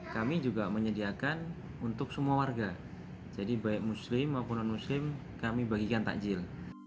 kami juga menyediakan untuk semua warga jadi baik muslim maupun non muslim kami bagikan takjil